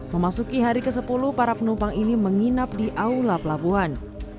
memasuki hari ke sepuluh para penumpang ini menginap di aula pelabuhan